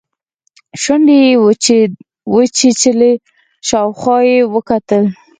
شونډې يې وچيچلې شاوخوا يې وکتل.